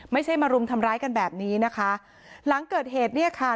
ไม่ใช่มารุมทำร้ายกันแบบนี้นะคะหลังเกิดเหตุเนี่ยค่ะ